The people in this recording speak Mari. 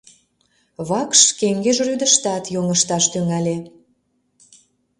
Вакш кеҥеж рӱдыштат йоҥышташ тӱҥале.